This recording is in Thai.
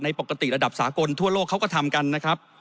ปกติระดับสากลทั่วโลกเขาก็ทำกันนะครับ